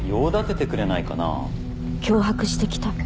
脅迫してきた。